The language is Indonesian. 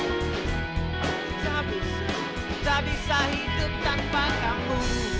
gak bisa hidup tanpa kamu